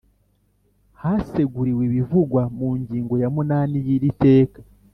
Haseguriwe ibivugwa mu ngingo ya munani y’ iri teka